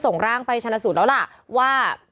ส่งร่างไปชนะสูตรแล้วล่ะว่า